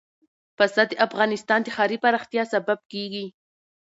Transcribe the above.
پسه د افغانستان د ښاري پراختیا سبب کېږي.